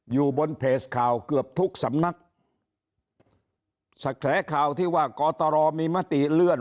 อยู่บนเพจข่าวเกือบทุกสำนักข่าวที่ว่ากตรมีมติเลื่อน